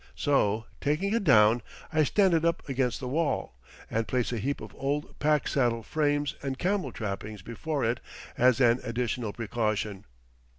So, taking it down, I stand it up against the wall, and place a heap of old pack saddle frames and camel trappings before it as an additional precaution.